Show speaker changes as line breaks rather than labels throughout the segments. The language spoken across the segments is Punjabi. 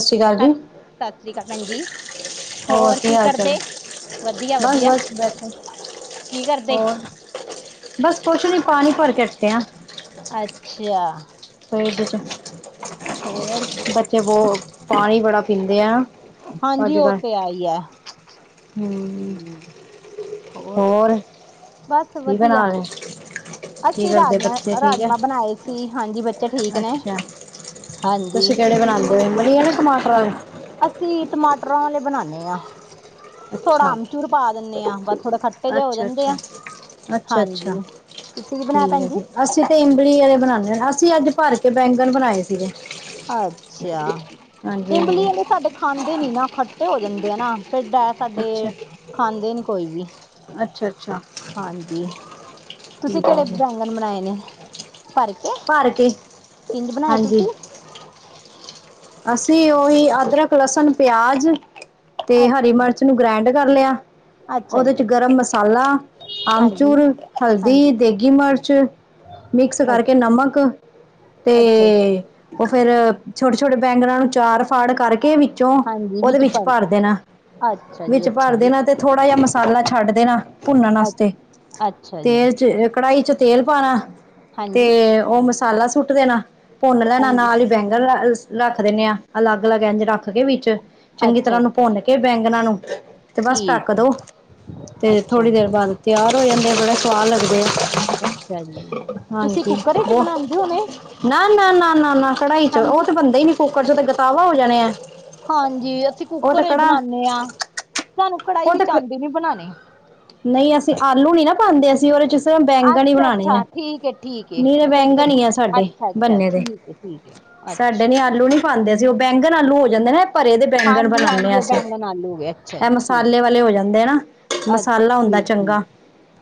ਸਤਿ ਸ਼੍ਰੀ ਅਕਾਲ ਜੀ
ਸਤਿ ਸ੍ਰੀ ਅਕਾਲ ਭੈਣਜੀ।
ਹੋਰ ਕੀ ਹਾਲ ਚਾਲ,
ਵਧੀਆ
ਬਸ
ਵਧੀਆ
ਬਸ ਬੈਠੇ,
ਕੀ ਕਰਦੇ
ਹੋਰ। ਬਸ ਕੁਛ ਨੀ ਪਾਣੀ ਭਰ ਹਟੇ ਆ
ਅੱਛਾ
ਫਰਿੱਜ ਚ
ਹੋਰ
ਬੱਚੇ ਬਹੁਤ ਪਾਣੀ ਬੜਾ ਪੀਂਦੇ ਆ
ਹਾਂਜੀ, ਉਹ ਤੇ ਆਈ ਹੈ
ਹਮ
ਹੋਰ ਬਸ
ਕੀ
ਵਧੀਆ
ਬਣਾ ਰਹੇ ਕੀ
ਅਸੀਂ
ਕਰਦੇ
ਰਾਜਮਾ-
ਬੱਚੇ ਠੀਕ ਹੈ
ਰਾਜਮਾ ਬਣਾਏ ਸੀ ਹਾਂਜੀ ਬੇ
ਅੱਛਾ, ਤੁਸੀਂ ਕਿਹੜੇ ਬਣਾਉਦੇ ਹੋ ਮੜੀਆ ਨਾ ਟਮਾਟਰਾਂ
ਅਸੀਂ ਟਮਾਟਰਾਂ ਵਾਲੇ ਬਣਾਉਦੇ ਹਾਂ। ਥੋੜਾ
ਅੱਛਾ
ਅਮਚੂਰ ਪਾ ਦਿੰਦੇ ਆਂ ਬਸ ਥੋੜੇ ਖੱਟੇ ਜਿਹੇ ਹੋ
ਅੱਛਾ
ਜਾਂਦੇ
ਅੱਛਾ
ਆ
ਅੱਛਾ ਅੱਛਾ
ਹਾਂਜੀ ਤੁਸੀਂ ਕੀ ਬਣਇਆ
ਠੀਕ
ਭੈਣ
ਹੈ
ਜੀ।
ਅਸੀਂ ਤੇ ਇਮਬਲੀ ਵਾਲੇ ਬਣਾਉਂਦੇ ਹਾਂ, ਅਸੀਂ ਅੱਜ ਭਰ ਕੇ ਬੈਂਗਣ ਬਣਾਏ ਸੀਗੇ
ਅੱਛਾ,
ਹਾਂਜੀ
ਇਮਲੀ
ਹਾਂਜੀ
ਵਾਲੇ ਸਾਡੇ ਖਾਂਦੇ ਨੀ ਨਾ ਖੱਟੇ ਹੋ ਜਾਂਦੇ ਆ ਨਾ ਭਿੱਡ ਹੈ ਸਾਡੇ
ਅੱਛਾ
ਖਾਂਦੇ ਨੀ ਕੋਈ ਵੀ
ਅੱਛਾ ਅੱਛਾ
ਹਾਂਜੀ, ਤੁਸੀਂ
ਠੀਕ ਹੈ
ਕਿਹੜੇ
ਜੀ
ਬੈਂ [unintelligible] ਬਣਾਏ ਨੇ ਭਰ ਕੇ
ਭਰ ਕੇ
ਕਿੰਜ ਬਣਾਏ
ਹਾਂਜੀ।
ਤੁਸੀਂ
ਅਸੀਂ ਉਹੀ ਅਦਰਕ, ਲਸਣ, ਪਿਆਜ ਤੇ ਹਰੀ
ਅੱਛਾ
ਮਿਰਚ। ਨੂੰ ਗ੍ਰੈਂਡ ਕਰ ਲਿਆ।
ਅੱਛਾ
ਓਦੇ ਚ
ਜੀ
ਗਰਮ ਮਸਾਲਾ, ਆਮਚੂਰ,
ਹਾਂਜੀ ਹਾਂਜੀ
ਹਲਦੀ, ਦੇਗੀ ਮਰਚ ਮਿਕਸ
ਅੱਛਾ
ਕਰਕੇ ਨਮਕ ਤੇ
ਅੱਛਾ ਜੀ,
ਉਹ ਫੇਰ ਛੋਟੇ ਛੋਟੇ ਬੈਂਗਰਾਂ ਨੂੰ ਚਾਰ ਫਾੜ ਕਰਕੇ ਵੀ [unintelligible] ਉਹਦੇ ਵਿੱਚ ਭਰ ਦੇਣਾ
ਅੱਛਾ ਜੀ
ਵਿੱਚ
ਅੱਛਾ
ਭਰ
ਜੀ
ਦੇਣਾ ਤੇ ਥੋੜ੍ਹਾ ਜਿਹਾ ਮਸਾਲਾ ਛੱਡ ਦੇਣਾ ਭੁੰਨਣ
ਅ
ਵਾਸਤੇ
ਅੱਛਾ ਜੀ
ਤੇਲ ਚ ਕੜਾਹੀ ਚ ਤੇਲ ਪਾਨਾ
ਹਾਂਜੀ
ਤੇ ਓ ਮਸਾਲਾ ਸੁੱਟ ਦੇਨਾ ਪੋੰਨ ਲੈਨਾ
ਹਾਂਜੀ
ਨਾਲ ਈ ਬੈਂਗਣ ਰੱਖ ਦਿੰਨੇ ਆ। ਅਲੱਗ-ਅਲੱਗ ਇੰਝ ਰੱਖ ਕੇ ਵਿੱਚ ਚੰਗੀ
ਅੱਛਾ
ਤਰ੍ਹਾਂ ਓਨੂੰ
ਅੱਛਾ
ਭੁੰਨ ਇਹ ਬੈਂਗਨਾਂ ਨੂੰ ਤੇ ਬਸ ਢੱਕ
ਠੀਕ
ਦੋ।
ਹੈ
ਤੇ
ਅੱਛਾ
ਥੋੜ੍ਹੀ ਦੇਰ
ਜੀ
ਬਾਅਦ ਤਿਆਰ ਹੋ ਜਾਂਦੇ ਬੜੇ ਸੁਆਦ ਲਗਦੇ
ਅੱਛਾ ਜੀ। ਤੁਸੀਂ
ਹਾਂਜੀ,
ਕੁੱਕਰ ਵਿੱਚ
ਉਹ
ਬਣਾਉਂਦੇ ਹੋਣੇ
ਨਾ ਨਾ ਨਾ ਨਾ ਨਾ ਕੜਾਈ ਚ ਉਹ
ਹਾਂਜੀ
ਤੇ ਹੁੰਦੇ ਹੀ ਨੀ ਕੁੱਕਰ ਚੋਂ ਤਾਂ ਗਤਾਵਾ ਹੋ ਜਾਣੇ ਆ।
ਹਾਂਜੀ ਅਸੀਂ
ਉਹ ਤੇ
ਕੁੱਕਰ ਚ
ਕੜਾ
ਬਣਾਉਦੇ ਹਾਂ ਸਾਨੂੰ ਕੜਾਹੀ
ਉਹ
ਵਿਚ
ਤੇ
ਆਉਂਦੀ ਨੀ ਬਣਾਉਣੇ
ਨਹੀਂ ਅਸੀਂ ਆਲੂ ਨੀ ਨਾ ਪਾਂਦੇ ਅਸੀਂ ਉਹਦੇ ਚ। ਬੈਂਗਣ ਈ
ਅੱਛਾ
ਬਣਾਣੇ
ਅੱਛਾ
ਆ
ਠੀਕ ਹੈ ਠੀਕ ਹੈ
ਨਹੀਂ ਤਾਂ
ਫਿਰ
ਬੈਂਗਣ ਈ ਆ ਸਾਡੇ
ਅੱਛਾ ਅੱਛਾ
ਬਣਨੇ ਦੇ।
ਠੀਕ ਠੀਕ ਐ।
ਸਾਡੇ ਨੀ ਆਲੂ ਨੀ ਪਾਂਦੇ ਅਸੀਂ ਓ ਬੈਂਗਣ ਆਲੂ ਹੋ ਜਾਂਦੇ ਨੇ। ਭਰੇ ਦੇ ਬੈਂਗਣ
ਹਾਂਜੀ
ਬਣਾਣੇ ਆ
ਹਾਂਜੀ
ਨਾ
ਉਹ
ਅਸੀਂ
ਬੈਂਗਣ ਆਲੂ ਹੋ ਗਏ ਅੱਛਾ
ਇਹ
ਜੀ ਠੀਕ
ਮਸਾਲੇ ਵਾਲੇ ਹੋ ਜਾਂਦੇ ਆ ਨਾ। ਮਸਾਲਾ ਹੁੰਦਾ ਚੰਗਾ।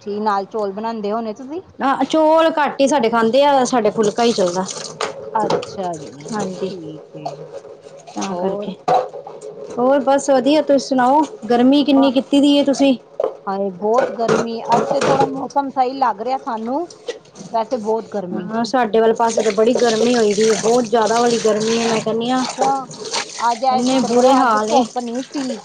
ਜੀ ਨਾਲ ਚੌਲ ਬਣਾਂਦੇ ਹੋਣੇ ਤੁਸੀਂ?
ਚੋਲ ਘੱਟ ਹੀ ਸਾਡੇ ਖਾਂਦੇ ਆ ਸਾਡੇ ਫੁਲਕਾ ਹੀ ਚੱਲਦਾ।
ਅੱਛਾ ਜੀ,
ਹਾਂਜੀ
ਠੀਕ ਐ
ਤਾਂ
ਹੋਰ
ਕਰਕੇ ਹੋਰ ਬਸ ਵਧੀਆ ਤੁਸੀ ਸੁਣਾਓ ਗਰਮੀ ਕਿੰਨੀ ਕੀਤੀ ਦੀ ਐ ਤੁਸੀਂ।
ਹਾਂਏ ਬਹੁਤ ਗਰਮੀ ਅੱਜ ਤੇ ਥੋੜਾ ਮੌਸਮ ਸਹੀ ਲੱਗ ਰਿਹਾ ਸਾਨੂੰ ਵੈਸੇ ਬਹੁਤ ਗਰਮੀ
ਹਾਂ, ਸਾਡੇ ਵੱਲ ਪਾਸੇ ਤਾਂ ਬੜੀ ਗਰਮੀ ਹੋਈ ਸੀ। ਬਹੁਤ ਜਿਆਦਾ ਵਾਲੀ ਗਰਮੀ ਹੈ। ਕਹਿੰਦੀ ਹਾਂ
ਅੱਛਾ, ਅੱਜ ਆਏ
ਇੰਨੇ
ਸ਼ੁਕਰ ਕਰੋ।
ਬੁਰੇ
ਅੱਜ
ਹਾਲ ਏ
ਧੁੱਪ ਨੀ ਸੀ।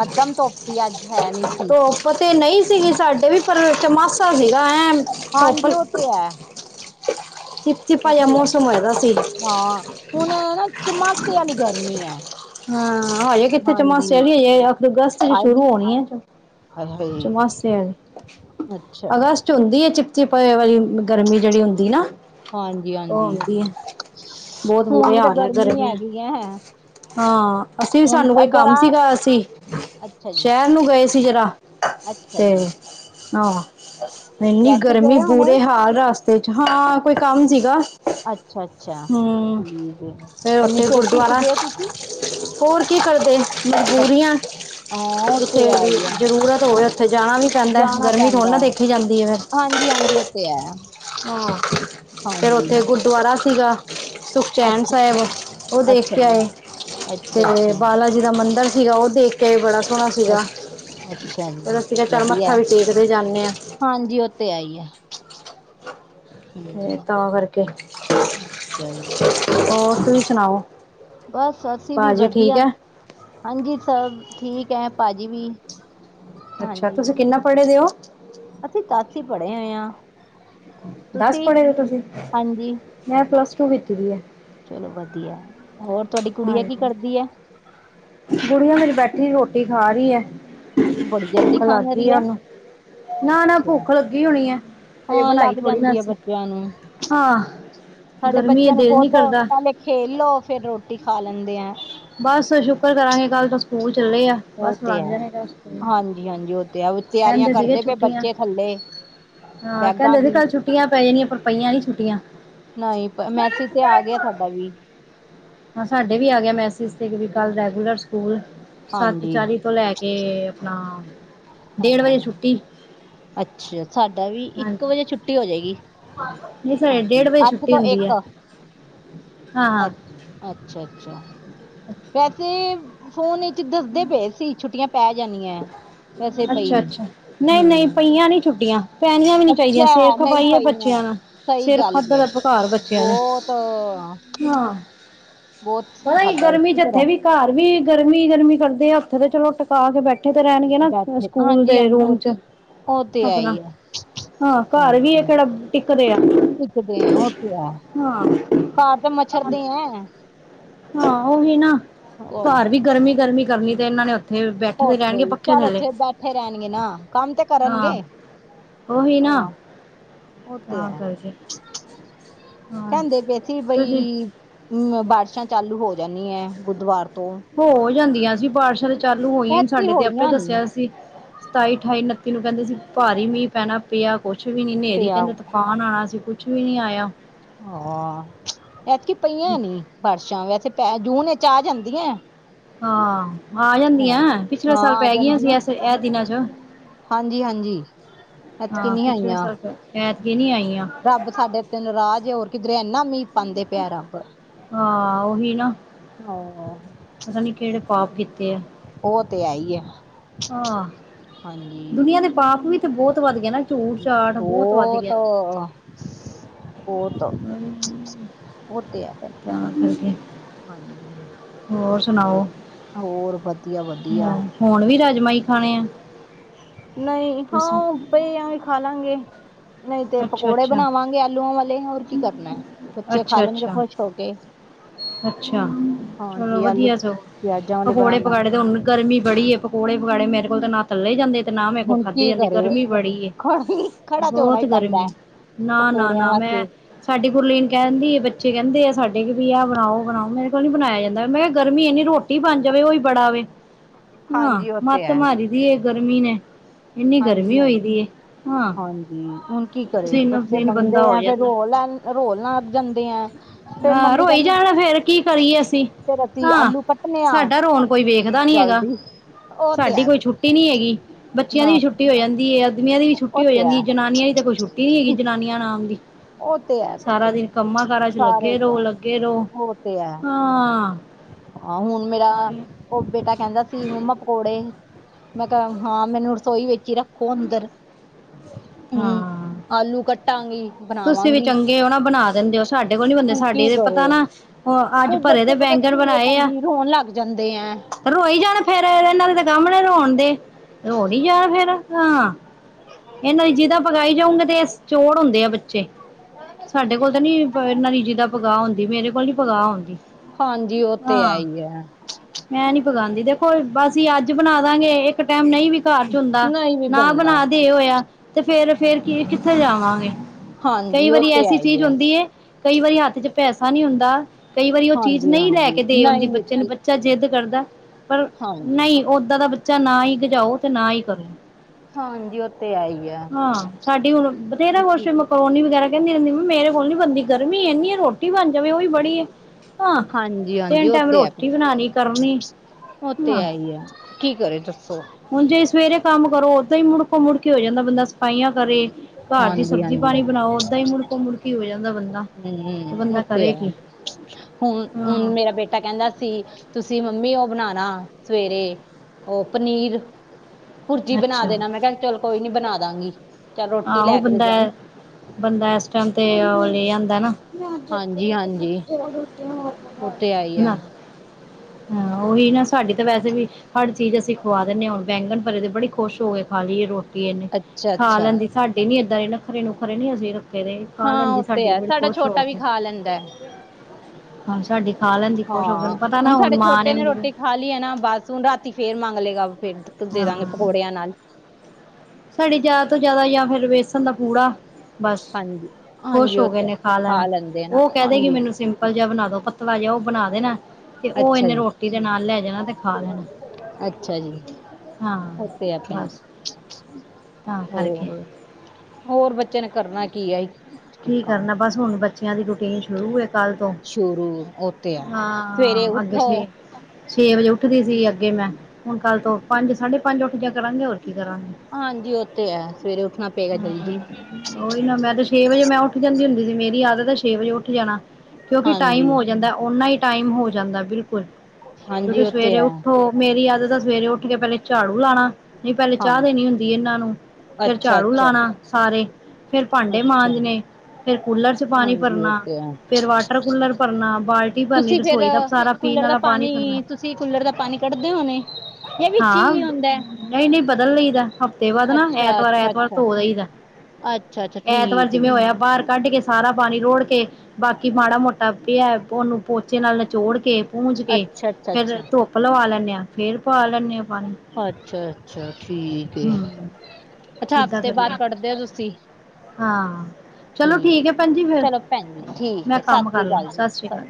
ਮੱਧਮ ਧੁੱਪ ਸੀ। ਅੱਜ ਹੈ ਨੀ ਸੀ।
ਪਤੇ ਨਹੀਂ ਸੀ। ਸਾਡੇ ਵੀ ਪਰ ਚੋਮਾਸਾ ਸੀਗਾ ਐਂਨ
ਹਾਂਜੀ, ਉਹ ਤੇ ਹੈ। ਉਹ
ਚਿਪਚਿਪਾ ਜਾ
ਤੇ ਹੈ
ਮੌਸਮ ਹੈਗਾ ਸੀ।
ਹਾਂ ਹੁਣ ਨਾ ਚਮਾਸੇ ਵਾਲੀ ਗਰਮੀ ਐ।
ਹਾਂ, ਹਜੇ ਕਿੱਥੇ ਚਮਾਸ ਚਲੀ। ਹਜੇ ਅ ਅਗਸਤ ਚ
ਆਏਗੀ
ਸ਼ੁਰੂ ਹੋਣੀ ਹੈ।
ਹਾਏ ਹਾਏ
ਚੋਮਾਸੇ
ਅੱਛਾ
ਅਗਸਤ ਹੁੰਦੀ ਹੈ। ਚਿਪਚਿਪਏ ਵਾਲੀ ਗਰਮੀ ਜੇੜੀ ਹੁੰਦੀ ਨਾ ਉਹ
ਹਾਂਜੀ-ਹਾਂਜੀ,
ਹੁੰਦੀ ਹੈ ਬਹੁਤ
ਹੁਣ
ਬੁਰੇ
ਵੀ ਤਾਂ
ਹਾਲ ਹੈ
ਗਰਮੀ
ਨਾਲ
ਹੈਗੀ ਐ।
ਹਾਂ, ਅਸੀਂ ਵੀ ਸਾਨੂੰ ਕੋਈ ਕੰਮ ਸੀਗਾ। ਅਸੀਂ
ਅੱਛਾ ਜੀ
ਸ਼ਹਿਰ ਨੂੰ ਗਏ ਸੀ। ਜੇਰਾ
ਅੱਛਾ
ਤੇ
ਜੀ
ਆਹ ਐਨੀ
ਵੈਸੇ
ਗਰਮੀ
ਗਏ ਹੋਣੇ
ਬੂਰੇ ਹਾਲ ਰਸਤੇ ਤੇ ਹਾਂ, ਕੋਈ ਕੰਮ ਸੀਗਾ।
ਅੱਛਾ-ਅੱਛਾ
ਹਮ
ਠੀਕ ਹੈ
ਫਿਰ
ਐਨੀ
ਉੱਥੇ
ਧੁੱਪ ਚ
ਗੁਰਦੁਆਰਾ
ਗਏ। ਤੁਸੀਂ
ਹੋਰ ਕੀ ਕਰਦੇ?
ਬ
ਮਜਬੂਰੀਆਂ
ਹਾਂ ਉਹ ਤੇ
ਜਿੱਥੇ
ਹੈ
ਵੀ
ਹੀ ਹੈ
ਜ਼ਰੂਰਤ ਹੋਵੇ, ਉੱਥੇ ਜਾਣਾ ਵੀ ਪੈਂਦਾ। ਗਰਮੀ ਥੋੜੀ ਨਾ ਦੇਖੀ ਜਾਂਦੀ ਐ, ਫਿਰ
ਹਾਂਜੀ-ਹਾਂਜੀ, ਉਹ ਤੇ ਹੈ।
ਹਾਂ, ਫਿਰ
ਹਾਂਜੀ
ਉੱਥੇ ਗੁਰਦੁਆਰਾ ਸੀਗਾ। ਸੁਖਚੈਨ
ਅੱਛਾ
ਸਾਹਿਬ ਓ ਦੇਖ
ਅੱਛਾ
ਕੇ
ਜੀ
ਆਏ।
ਅੱਛਾ
ਤੇ
ਅੱਛਾ
ਬਾਲਾ ਜੀ ਦਾ ਮੰਦਿਰ ਸੀਗਾ। ਓਦੇਖ ਕੇ ਬੜਾ ਸੋਹਣਾ
ਅੱ
ਸੀਗਾ।
ਅੱਛਾ
ਫਿਰ
ਜੀ
ਅਸੀਂ ਕਿਆ ਚੱਲ
ਵਧੀਆ
ਮੱਥਾ ਵੀ ਟੇਕਦੇ ਜਾਂਣੇ ਆ।
ਹਾਂਜੀ, ਓ ਤੇ ਹੈਈ ਆ।
ਤੇ ਤਾਂ ਕਰਕੇ,
ਚਲੋ
ਹੋਰ ਤੁਸੀਂ ਸੁਣਾਓ।
ਬਸ, ਅਸੀ ਵੀ
ਭਾਜੀ ਠੀਕ
ਵਧੀਆ
ਹੈ
ਹਾਂਜੀ, ਸਭ ਠੀਕ ਹੈ ਭਾਜੀ ਵੀ
ਅੱਛਾ,
ਹਾਂਜੀ
ਤੁਸੀਂ ਕਿੰਨਾ ਪੜ੍ਹਦੇ ਹੋ?
ਅਸੀਂ ਦੱਸ ਹੀ ਪੜ੍ਹੇ ਹੋਏ ਹਾਂ
ਦੱਸ
ਤੁਸੀਂ
ਪੜ੍ਹੇ ਹੋ ਤੁਸੀਂ
ਹਾਂਜੀ
ਮੈਂ ਪਲੱਸ ਟੂ ਕੀਤੀ ਦੀ ਹੈ
ਚਲੋ ਵਧੀਆ, ਹੋਰ ਤੁਹਾਡੀ ਕੁੜੀਆ ਕੀ
ਹਾਂਜੀ
ਕਰਦੀ ਹੈ
ਗੁੜੀਆਂ ਮੇਰੀ ਬੈਠੀ ਰੋਟੀ ਖਾ ਰਹੀ ਹੈ
ਬੜੀ ਜਲਦੀ
ਭੁੱਖ ਲੱਗ
ਖਾਣ
ਗਈ
ਅਲੀ
ਆ
ਹੈ।
ਉਹਨੂੰ ਨਾ ਨਾ
ਅੱਛਾ
ਭੁੱਖ ਲੱਗੀ ਹੋਣੀ ਹੈ। ਹਜੇ
ਹਾਂ
ਬਣਾਈ
ਲੱਗ
ਥੋੜੀ ਨਾ
ਜਾਂਦੀ ਹੈ
ਸੀ,
ਬੱਚਿਆਂ ਨੂੰ
ਹਾਂ ਗਰਮੀ ਦਿਲ ਨੀ ਕਰਦਾ।
ਖੇਲੋ, ਫੇਰ ਰੋਟੀ ਖਾ ਲੈਂਦੇ ਆ।
ਬਸ ਸ਼ੁਕਰ ਕਰਾਂਗੇ। ਕੱਲ ਤੋ ਸਕੂਲ ਚੱਲੇ ਆ।
ਉਹ
ਬਸ
ਤੇ
ਲੱਗ
ਹੈ
ਜਾਣੇ। ਸਕੂਲ
ਹਾਂਜੀ ਹਾਂਜੀ ਉਹ ਤੇ ਹੈ ਉਹ ਤਿਆਰੀਆਂ
ਕਹਿੰਦੇ ਸੀਗੇ
ਕਰਦੇ ਪਏ
ਛੁੱਟੀਆਂ
ਬੱਚੇ ਥੱਲੇ
ਹਾਂ,
ਬੈਗਾਂ
ਕਹਿੰਦੇ
ਦੀ
ਕੱਲ ਛੁੱਟੀਆਂ ਪੈ ਜਾਣੀਆਂ। ਪਰ ਪਈਆਂ ਨੀ ਛੁੱਟੀਆ।
ਨਹੀਂ ਮੈਸੇਜ ਤੇ ਆ ਗਿਆ ਸਾਡਾ ਵੀ।
ਹਾਂ ਸਾਡੇ ਵੀ ਆ ਗਿਆ ਮੈਸੇਜ ਤੇ ਕੱਲ੍ਹ ਰੈਗੂਲਰ ਸਕੂਲ ਸੱਤ
ਹਾਂਜੀ
ਚਾਲੀ ਤੋਂ ਲੈ ਕੇ ਇਹ ਆਪਣਾ ਡੇਢ ਵਜੇ
ਹਾਂ,
ਛੁੱਟੀ
ਅੱਛਾ, ਸਾਡਾ ਵੀ ਇੱਕ
ਹਾਂਜੀ
ਵਜੇ ਛੁੱਟੀ ਹੋ ਜਾਏਗੀ।
ਨਹੀਂ ਸਾਡੇ
ਹਾਂਜੀ,
ਡੇਢ ਵਜੇ
ਅੱਠ
ਛੁੱਟੀ
ਤੋਂ
ਹੁੰਦੀ
ਇੱਕ
ਹੈ ਹਾਂ ਹਾਂ
ਅੱਛ ਅੱਛਾ-ਅੱਛਾ, ਵੈਸੇ ਫੋਨ ਕਿ ਦੱਸਦੇ ਪਏ ਸੀ ਛੁੱਟੀਆਂ ਪੈ ਜਾਣੀਆਂ। ਵੈਸੇ ਪਈ ਨੀ
ਅੱਛਾ-ਅੱਛਾ, ਨਹੀਂ
ਹੂੰ
ਨਹੀਂ ਪਈਆਂ ਨਹੀਂ ਛੁੱਟੀਆਂ। ਪੈਣੀਆਂ ਵੀ ਨੀ ਚਾਹੀਦੀਆਂ
ਅੱਛਾ
ਸੇਰ
ਨਹੀਂ
ਖਪਾਈਏ
ਪਈਆਂ
ਬੱਚਿਆਂ ਨਾਲ।
ਸਹੀ
ਸਿਰ
ਗੱਲ
ਖਾਧਾ ਦਾ
ਕ
ਪਕਾਰ ਬੱਚਿਆਂ ਨੇ
ਬਹੁਤ
ਹਾਂ,
ਬਹੁਤ
ਪਤਾ ਕੀ
ਖਾਧਾ ਏ,
ਗਰਮੀ ਚ
ਸ਼ੁਕਰ ਹੈ
ਇੱਥੇ ਵੀ ਘਰ ਵੀ ਗਰਮੀ ਗਰਮੀ ਕਰਦੇ ਆ ਓੱਥੇ ਤੇ ਚਲੋ ਟਕਾ ਕੇ ਬੈਠੇ ਇਕੱਠੇ ਤੇ ਰਹਿਣਗੇ ਨਾ
ਬੈਠੇ
ਸਕੂਲ
ਹਾਂਜੀ
ਦੇ
ਹਾਂਜੀ ਉਹ
ਰੂਮ ਚ,
ਉਹ ਤੇ ਹੈ
ਆਪਣਾ
ਹੀ ਹੈ
ਹਾਂ, ਘਰ ਵੀ ਆ ਕਿਹੜਾ ਟਿਕਦੇ ਆ।
ਟਿਕਦੇ ਆ ਉਹ ਤੇ ਹੈ,
ਹਾਂ
ਘਰ ਤਾਂ ਮੱਛਰਦੇ ਐ।
ਹਾਂ ਉਹੀ ਨਾ, ਘਰ
ਆਹ
ਵੀ ਗਰਮੀ ਗਰਮੀ ਕਰਨੀ ਤੇ ਇਹਨਾਂ ਨੇ ਉੱਥੇ ਬੈਠੇਦੇ ਰਹਿਣਗੇ
ਉੱਥੇ ਵੀ
ਪੱਖੇ
ਚੱਲ
ਥੱਲੇ,
ਉੱਥੇ ਬੈਠੇ ਰਹਿਣਗੇ ਨਾ ਕੰਮ ਤੇ ਕਰਨਗੇ
ਹਾਂ। ਉਹੀ ਨਾ,
ਆਹ ਉਹ ਤੇ
ਤਾਂ
ਹੈ
ਕਰਕੇ। ਹਾਂ
ਕਹਿੰਦੇ ਪਏ ਸੀ ਬਈ
ਤੁਸੀਂ
ਹੂੰ ਬਾਰਿਸ਼ਾਂ ਚਾਲੂ ਹੋ ਜਾਦੀ ਹੈ ਬੁੱਦਵਾਰ ਤੋਂ।
ਹੋ ਜਾਂਦੀਆਂ ਸੀ ਬਾਰਿਸ਼ਾ ਚਾਲੂ ਹੋਈਆਂ
ਐਤਕੀ
ਸਾਡੇ ਤੇ ਆਪੇ
ਹੋਈਆਂ ਨੀ
ਦੱਸਿਆ। ਸਤਾਈ ਅਠਾਈ ਉਨੱਤੀ ਨੂੰ ਕਹਿੰਦੇ ਸੀ ਭਾਰੀ ਮੀਂਹ ਪੈਣਾ ਪਿਆ ਕੁਛ ਵੀ ਨੀ ਹਨੇਰੀ
ਪਿਆ
ਕਹਿੰਦੇ ਤੁਫਾਨ ਆਉਣ ਆਲਾ ਸੀ ਕੁਛ ਵੀ ਨਹੀਂ ਆਇਆ।
ਹਾਂ। ਇਤਕੀ ਪਈਆਂ ਨੀ ਬਾਰਿਸ਼ਾਂ ਵੇਸੇ ਪੈ ਜੂਨ ਵਿੱਚ ਆ ਜਾਂਦੀਆਂ।
ਹਾਂ ਆ
ਹਾਂ
ਜਾਂਦੀਆਂ ਪਿਛਲੇ ਸਾਲ ਪੈ ਗਈਆਂ ਸੀ ਇਸ ਇਹ ਦਿਨਾਂ ਚ
ਹਾਂਜੀ-ਹਾਂਜੀ, ਇੱਥੇ ਨਹੀਂ ਆਈਆਂ।
ਐਤ ਕੀ ਨਹੀਂ ਆਈਆਂ।
ਰੱਬ ਸਾਡੇ ਤੇ ਨਰਾਜ ਹੋਰ ਕਿਧਰੇ ਇੰਨਾ ਮੀਂਹ ਪਾਉਂਦੇ ਪਿਆ ਰੱਬ।
ਹਾਂ, ਉਹੀ ਨਾ,
ਹਾ।
ਪਤਾ ਨੀ ਕਿਹੜੇ ਪਾਪ ਕੀਤੇ ਆ।
ਉਹ ਤੇ ਐ ਹੀ ਆ।
ਹਾਂ ਦੁਨੀਆਂ ਦੇ ਪਾਪ ਵੀ ਤੇ ਬਹੁਤ ਵੱਧ ਗਿਆ ਨਾ ਝੂਠ ਚਾਟ ਵੱਧ ਗਿਆ।
ਬਹੁਤ ਬਹੁਤ
[inaudible]
ੳਹ ਤੇ ਆ
ਹੋਰ
ਹੋ
ਸੁਣਾਓ
ਹੋਰ ਵਧੀਆ ਵਧੀਆ।
ਹੂੰ, ਹੁਣ ਵੀ ਰਾਜਮਾ ਹੀ ਖਾਣੇ ਆ।
ਨਹੀਂ
ਤੁਸੀਂ
ਹਾਂ ਪਏ ਆ ਖਾ ਲਾਂਗੇ। ਨਹੀਂ ਤੇ
ਅੱਛਾ
ਪਕੌੜੇ
ਅੱਛਾ
ਬਣਾਵਾਂਗੇ ਆਲੂਆਂ ਵਾਲੇ ਹੋਰ ਕੀ ਕਰਨਾ ਹੈ ਬੱਚੇ ਖਾ
ਅੱਛਾ
ਲੈਣਗੇ
ਅੱਛਾ
ਖੁਸ਼ ਹੋ ਕੇ।
ਅੱਛਾ, ਚਲੋ
ਹਾਂਜੀ ਆਲੂ
ਵਧੀਆ ਸੋ
ਪਿਆਜਾਂ ਵਾਲੇ
ਪਕੌੜੇ
ਬਣਾ ਲਾਂਗੇ
ਪਕਾੜੇ ਤੇ ਉਹਨੂੰ ਗਰਮੀ ਬੜੀ ਹ ਪਕੌੜੇ ਪਕਾੜੇ ਮੇਰੇ ਕੋਲ ਤਾਂ ਨਾ ਥੱਲੇ ਜਾਂਦੇ ਤੇ ਨਾ ਮੈ ਕੋ
ਹੁਣ
ਖਾਦੇ
ਕੀ
ਜਾਂਦੇ
ਕਰੇ
ਗਰਮੀ ਬੜੀ ਏ
ਖੜੀ ਖੜਾ ਤੇ ਹੋਣਾ
ਬਹੁਤ
ਹੀ ਪੈਂਦਾ
ਗਰਮੀ
ਹੈ
ਨਾ ਨਾ
ਪਕੌੜਿਆਂ
ਨਾ ਮੈਂ
ਵਾਸਤੇ
ਸਾਡੀ ਗੁਰਲੀਨ ਕਹਿ ਦਿੰਦੀ ਆ ਬੱਚੇ ਕਹਿੰਦੇ ਆ ਸਾਡੇ ਕਿ ਵੀ ਆਹ ਬਣਾਓ ਬਣਾਓ ਮੇਰੇ ਕੋਲ ਨੀ ਬਣਾਇ ਜਾਂਦਾ ਮੈਂ ਕਿਹਾ ਗਰਮੀ ਏਨੀ ਰੋਟੀ ਟੀ ਬਣ ਜਵੇ ਉਹੀ ਬੜਾ ਵੇ, ਹਾਂ
ਹਾਂਜੀ ਉਹ ਤੇ
ਮੱਤ
ਹੈ
ਮਾਰੀ ਵੀ ਇਹ ਗਰਮੀ ਨੇ ਇੰਨੀ
ਹਾਂਜੀ
ਗਰਮੀ ਹੋਈ
ਹਾਂਜੀ
ਪੲੀ ਏ।
ਹਾਂਜੀ ਹੁਣ ਕੀ। ਘਰੇ
ਪਸੀਨੋ
ਬੱਚੇ
ਪਸੀਨ
ਮੰਗਦੇ
ਬੰਦਾ ਹੋ
ਆ ਫਿਰ
ਜਾਂਦਾ
ਰੋਣ ਲੱਗ ਰੋਲ ਨਾ ਜਾਂਦੇ ਆ ਫਿਰ
ਅਹ
ਮੰਮੀ
ਰੋਈ
ਕਹਿੰਦੀ
ਜਾਣਾ ਫੇਰ ਕੀ ਕਰੀਏ ਅਸੀਂ
ਫਿਰ ਅਸੀਂ
ਹਾਂ
ਆਲੂ ਕੱਟਣੇ ਆ
ਸਾਡਾ ਰੋਣ ਕੋਈ ਵੇਖਦਾ ਨੀ ਹੈਗਾ।
ਜਲਦੀ ਉਹ ਤੇ
ਸਾਡੀ
ਹੈ
ਕੋਈ ਛੁੱਟੀ ਨੀ ਹੈਗੀ ਬੱਚਿਆਂ
ਨਾ
ਦੀ ਵੀ ਛੁੱਟੀ ਹੋ ਜਾਂਦੀ ਹੈ ਅਦਮੀਆਂ ਦੀ ਵੀ
ਉਹ
ਛੁੱਟੀ ਹੋ
ਤੇ
ਜਾਂਦੀ
ਹੈ
ਜਨਾਨੀ। ਤੇ ਕੋਈ ਛੁੱਟੀ ਨਹੀਂ ਹੈਗੀ ਜਨਾਨੀਆਂ ਨਾਮ ਦੀ।
ਉਹ ਤੇ ਹੈ
ਸਾਰਾ
ਭਾਜੀ।
ਦਿਨ ਕੰਮਾਂ ਕਾਰਾਂ ਚ ਲੱਗੇ ਰਹੋ ਲੱਗੇ ਰਹੋ
ਉਹ ਤੇ ਹੈ
ਹਾਂ
ਹਾਂ ਹੁਣ ਮੇਰਾ ਉਹ ਬੇਟਾ ਕਹਿੰਦਾ ਸੀ ਮੰਮਾ ਪਕੌੜੇ ਮੈਂ ਕਿਹਾ ਹਾਂ ਮੈਨੂੰ ਰਸੋਈ ਵਿੱਚੇ ਹੀ ਰੱਖ ਕੋ ਅੰਦਰ
ਹਾਂ
ਆਲੂ ਕੱਟਾਂਗੀ।
ਤੁਸੀਂ ਵੀ
ਬਣਾਵਾਂਗੀ
ਚੰਗੇ ਹੋ ਨਾ ਬਣਾ ਦਿੰਦੇ ਹੋ ਸਾਡੇ ਕੋਲ ਨੀ ਬੰਦੇ
ਹੁਣ ਕੀ
ਸਾਡੇ ਪਤਾ
ਕਰੇ
ਨਾ ਉਹ ਅੱਜ
ਤੇ
ਭਰੇ
ਬੱਚੇ
ਦੇ
ਪਤਾ
ਬੈਂਗਣ
ਕੀ
ਬਣਾਏ
ਭੈਣ
ਆ
ਜੀ ਰੋਣ ਲੱਗ ਜਾਂਦੇ ਐ।
ਰੋਈ ਜਾਣੇ ਫਿਰ ਇਹਨਾਂ ਨੇ ਤਾਂ ਕੰਮ ਨੇ ਰੋਣ ਦੇ ਰੋੜ ਹੀ ਜਾ ਫਿਰ ਹਾਂ
[inaudible]
ਇਹਨਾਂ ਦੀ ਜਿਹਦਾ ਪਗਾਈ ਜਾਓਗੇ ਤੇ ਚੋੜ ਹੁੰਦੇ ਆ। ਤੇ ਸਾਡੇ ਕੋਲ ਤਾਂ ਨਹੀਂ ਇਹਨਾਂ ਦੀ ਜਿਹਦਾ ਪਗਾ ਹੁੰਦੀ ਮੇਰੇ ਕੋਲ ਨੀ ਪਗਾ ਹੁੰਦੀ।
ਹਾਂਜੀ ਉਹ ਤੇ ਹੈ
ਹਾਂ।
ਹੀ ਹੈ।
ਮੈਂ ਨਹੀਂ ਪਗਾਉਂਦੀ ਦੇਖੋ ਬਸ ਅਸੀਂ ਅੱਜ ਬਣਾ ਦਾਂਗੇ ਇੱਕ ਟਾਈਮ ਨਹੀਂ ਵੀ। ਘਰ ਚ ਹੁੰਦਾ
ਨਹੀਂ ਵੀ
ਨਾ
ਬੰਦਾ
ਬਣਾ ਦੇ ਹੋਇਆ ਤੇ ਫੇਰ ਫੇਰ ਕਿੱਥੇ ਜਾਵਾਂਗੇ। ਕਈ
ਹਾਂਜੀ ਉਹ
ਵਾਰੀ
ਤੇ ਹੈ
ਐਸੀ
ਹੀ
ਚੀਜ਼ ਹੁੰਦੀ ਹੈ ਕਈ ਵਾਰੀ ਹੱਥ ਚ ਪੈਸਾ ਨਹੀਂ ਹੁੰਦਾ। ਕਈ ਵਾਰੀ ਉਹ ਚੀਜ਼
ਹਾਂਜੀ
ਨਹੀਂ ਲੈ
ਹਾਂਜੀ
ਕੇ ਦੇ ਆਉਂਦੀ
ਨਹੀਂ
ਬੱਚੇ ਨੂੰ।
ਲਿੱਤੀ
ਬੱਚਾ ਤਾਂ ਜਿੱਦ ਕਰਦਾ ਪਰ
ਹਾਂਜੀ
ਨਹੀਂ ਉਦਾਂ ਦਾ ਬੱਚਾ ਨਾ ਹੀ ਗਜਾਓ ਤੇ ਨਾ ਹੀ ਕਰੋ।
ਹਾਂ ਜੀ
ਹਾਂ ਸਾਡੀ ਹੁਣ ਬਥੇਰਾ
ਹੁਣ
ਕੁਛ
ਕੀ ਕਰੇ
ਮਕਰੋਨੀ ਵਗੈਰਾ ਹਾਂ, ਕਹਿੰਦੀ ਹੁੰਦੀ ਮੰਮੀ ਮੇਰੇ ਕੋਲ ਨਹੀਂ ਬਣਦੀ ਗਰਮੀ ਐਨੀ ਹੈ ਰੋਟੀ ਬਣ ਜਾਵੇ ਉਹੀ ਬੜੀ ਹੈ। ਹਾਂ
ਹਾਂਜੀ ਹਾਂਜੀ
ਤਿੰਨ
ਉਹ
ਟਾਈਮ
ਤੇ ਹੈ
ਰੋਟੀ ਬਣਾਣੀ ਕਰਨੀ।
ਉਹ ਤੇ
ਹਾਂ
ਹੈ ਹੀ ਆ ਕੀ ਕਰੇ ਦੱਸੋ।
ਹੁਣ ਜੇ ਸਵੇਰੇ ਕੰਮ ਕਰੋ ਉਦਾਂ ਹੀ ਮੁੜਕੋ ਮੁੜ ਕੇ ਹੋ ਜਾਂਦਾ ਬੰਦਾ। ਸਫਾਈਆਂ ਕਰੇ ਘਰ ਦੀ
ਹਾਂਜੀ
ਸਬਜ਼ੀ
ਹਾਂਜੀ
ਪਾਣੀ ਬਣਾਓ ਓਦਾਂ ਹੀ ਮੁੜਕੋ ਮੁੜਕੀ ਹੋ ਜਾਂਦਾ ਬੰਦਾ। ਤੇ
ਹਮ
ਬੰਦਾ
ਉੱਥੇ
ਕਰੇ
ਆ
ਕੀ
ਹੁਣ ਹੁਣ
ਹਾਂ
ਮੇਰਾ ਬੇਟਾ ਕਹਿੰਦਾ ਸੀ। ਤੁਸੀਂ ਮੰਮੀ ਉਹ ਬਣਾਉਣਾ ਸਵੇਰੇ ਉਹ ਪਨੀਰ। ਪੁਰਜੀ ਬਣਾ
ਅੱਛਾ
ਦੇਣਾ, ਮੈਂ ਕਿਹਾ ਚਲ ਕੋਈ ਨੀ ਬਣਾ ਦਾਂਗੀ ਚੱਲ ਰੋਟੀ
ਆਹੋ
ਲੈ ਕੇ ਤਾਂ
ਬੰਦਾ
ਜਾਈ।
ਬੰਦਾ ਇਸ ਟਾਈਮ ਤੇ ਉਹ ਲੈ ਆਂਦਾ ਨਾ। ਮੈਂ ਅੱਜ ਇੱਕ
ਹਾਂਜੀ
ਰੋਟੀ
ਹਾਂਜੀ
ਖਾਦੀ ਜਰਾ ਰੋਟੀਆਂ ਹੋਰ
ਉਹ
ਬਣਾ
ਤੇ ਹੈ ਹੀ
ਦੇ,
ਹੈ
ਨਾ ਹਾਂ ਉਹੀ ਨਾ ਸਾਡੇ ਤਾਂ ਵੈਸੇ ਵੀ ਹਰ ਚੀਜ਼ ਅਸੀਂ ਖੁਵਾ ਦਿੰਦੇ ਹੁਣ ਬੈਂਗਣ ਭਰੇ ਦੇ ਬੜੀ ਖੁਸ਼ ਹੋ ਗਏ ਖਾ ਲਈਏ ਰੋਟੀ ਇਹਨੇ
ਅੱਛਾ
ਖਾ
ਅੱਛਾ
ਲੈਂਦੀ ਸਾਡੇ ਨੀ ਏਦਾਂ ਦੇ ਨਾ ਨਖਰੇ ਨੂੰ ਨੁਖਰੇ ਨੀ ਅਸੀਂ ਰੱਖੇ ਦੇ। ਖਾ
ਹਾਂ
ਲੈਂਦੀ
ਉਹ ਤੇ
ਸਾਡੀ
ਹੈ
ਬੜੀ
ਸਾਡਾ
ਖੁਸ਼ ਹੋ
ਛੋਟਾ ਵੀ
ਕੇ।
ਖਾ ਲੈਂਦਾ ਹੈ।
ਹਾਂ ਸਾਡੀ ਖਾ ਲੈਣਦੀ ਖੁਸ਼ ਹੋ ਕੇ ਉਹਨੂੰ ਪਤਾ ਨਾ ਹੁਣ ਮਾਂ ਨੇ ਹ
ਖਾਲੀ ਹੈ ਨਾ ਬਸ ਹੁਣ ਰਾਤੀ ਫੇਰ ਮੰਗ ਲਏਗਾ ਫੇਰ ਦੇ ਦਾਂਗੇ
ਹਾਂ
ਪਕੌੜਿਆਂ ਨਾਲ,
ਸਾਡੀ ਜ਼ਿਆਦਾ ਤੋਂ ਜ਼ਿਆਦਾ ਜਾਂ ਫਿਰ ਬੇਸਣ ਦਾ ਪੂੜਾ ਬਸ
ਹਾਂਜੀ
ਖੁਸ਼
ਹਾਂਜੀ ਉਹ
ਹੋ ਗਏ
ਤੇ
ਨੇ ਖਾ ਲੈਣਾ
ਲੈਂਦੇ ਆ ਨਾ
ਉਹ ਕਹਿਦੇਗੀ
ਹਾਂਜੀ
ਮੈਨੂੰ ਸਿੰਪਲ ਜਿਹਾ ਬਣਾ ਦੋ ਪਤਲਾ ਜਿਹਾ ਉਹ ਬਣਾ ਦੇਣਾ ਤੇ ਉਹ
ਅੱਛਾ
ਇਹਨੇ
ਜੀ
ਰੋਟੀ ਦੇ ਨਾਲ ਲੈ ਜਾਣਾ ਤੇ ਖਾ ਦੇਣਾ
ਅੱਛਾ ਜੀ
ਹਾਂ
ਉਹ ਤੇ ਹੈ ਭੈਣ
ਬਸ ਤਾਂ ਕਰਕੇ
ਹੋਰ ਹੋਰ ਬੱਚੇ ਨੇ ਕਰਨਾ ਕੀ ਆ
ਕੀ ਕਰਨਾ ਬਸ ਹੁਣ ਬੱਚਿਆਂ ਦੀ ਰੁਟੀਨ ਸ਼ੁਰੂ ਐ ਕੱਲ
ਸ਼ੁਰੂ ਉਹ ਤੇ ਹੈ ਸਵੇਰੇ
ਹਾਂ ਅੱਗੇ
ਉੱਠੋ
ਸੇ ਛੇ ਵਜੇ ਉੱਠਦੀ ਸੀ ਅੱਗੇ, ਮੈਂ ਹੁਣ ਕੱਲ ਤੋਂ ਪੰਜ ਸਾਢੇ ਪੰਜ ਉੱਠ ਜਿਆ ਕਰਾਂਗੇ ਹੋਰ ਕੀ ਕਰਾਂਗੇ।
ਹਾਂਜੀ, ਉਹ ਤਾਂ ਹੈ ਸਵੇਰੇ ਉੱਠਣਾ ਪਏਗਾ
ਹਾਂ
ਜਲਦੀ।
ਉਹੀ ਨਾ ਮੈਂ ਤੇ ਛੇ ਵਜੇ ਮੈਂ ਉੱਠ ਜਾਂਦੀ ਹੁੰਦੀ ਸੀ ਮੇਰੀ ਆਦਤ ਐ ਛੇ ਵਜੇ ਉੱਠ ਜਾਣਾ। ਕਿਉਂਕਿ ਟਾਈਮ
ਹਾਂਜੀ
ਹੋ ਜਾਂਦਾ ਓਨਾ ਈ ਟਾਈਮ ਹੋ ਜਾਂਦਾ ਬਿਲਕੁਲ
ਹਾਂਜੀ
ਕਿਉਂਕਿ
ਉਹ ਤੇ
ਸਵੇਰੇ
ਹੈ
ਉੱਠੋ ਮੇਰੀ ਆਦਤ ਆ ਸਵੇਰੇ ਉਠ ਪਹਿਲੇ ਝਾੜੂ ਲਾਣਾ ਨਹੀਂ ਪਹਿਲੇ ਚਾਹ
ਹਾਂਜੀ
ਦੇਣੀ ਹੁੰਦੀ ਇਹਨਾਂ ਨੂੰ ਫੇਰ
ਅੱਛਾ
ਝਾੜੂ
ਅੱਛਾ
ਲਾਣਾ ਸਾਰੇ। ਫੇਰ ਭਾਂਡੇ
ਅੱਛਾ
ਮਾਂਜਣੇ ਫੇਰ ਕੂਲਰ ਚ ਪਾਣੀ
ਹਾਂਜੀ ਉਹ
ਭਰਨਾ
ਤੇ ਹੈ
ਫਿਰ ਵਾਟਰ ਕੂਲਰ ਭਰਨਾ ਬਾਲ
ਤੁਸੀਂ ਫ਼ਿਰ ਕੂਲਰ ਦਾ
ਭਰਨਾ
ਪਾਣੀ ਤੁਸੀਂ ਕੂਲਰ ਦਾ ਪਾਣੀ ਕੱਢਦੇ ਹੋਣੇ। ਜਾਂ ਵਿੱਚ
ਹਾਂ,
ਹੀ ਹੁੰਦਾ
ਨਹੀਂ-ਨਹੀਂ ਬਦਲ ਲਈ ਦਾ ਹਫ਼ਤੇ ਬਾਅਦ ਨਾ
ਅੱਛਾ
ਐਤਵਾਰ
ਅੱਛਾ
ਐਤਵਾਰ
ਅੱਛਾ
ਧੋ ਲਈ ਦਾ।
ਅੱਛਾ-ਅੱਛਾ
ਐਤਵਾਰ
ਠੀਕ ਏ।
ਜਿਵੇਂ ਹੋਇਆ ਬਾਹਰ ਕੱਢ ਕੇ ਸਾਰਾ ਪਾਣੀ ਰੋੜ ਕੇ ਬਾਕੀ ਮਾੜਾ ਮੋਟਾ ਉਹਨੂੰ ਪੋਚੇ ਨਾਲ ਨਿਚੋੜ ਕੇ ਪੂੰਜ ਕੇ ਫੇਰ
ਅੱਛਾ-ਅੱਛਾ-ਅੱਛਾ।
ਧੁੱ ਲਵਾ ਲੈਂਨੇ ਆ ਫੇਰ ਪਵਾ ਲੈਣੇ ਆ।
ਅੱਛਾ-ਅੱਛਾ, ਠੀਕ ਐ।
ਹੂੰ
ਅੱਛਾ,
ਏਦਾਂ
ਹਫ਼ਤੇ ਬਾਅਦ
ਕਰੀਏ
ਕੱਢਦੇ ਹੋ ਤੁਸੀਂ
ਹਾਂ, ਚਲੋ ਠੀਕ ਐ ਭੈਣ ਜੀ ਫਿਰ
ਚਲੋ ਭੈਣ ਜੀ ਠੀਕ ਹੈ,
ਮੈਂ
ਸਤਿ
ਕੰਮ ਕਰ
ਸ੍ਰੀ
ਲਾ
ਅਕਾਲ ਜੀ,
ਸਤਿ ਸ੍ਰੀ ਅਕਾਲ।